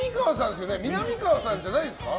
みなみかわさんじゃないですか？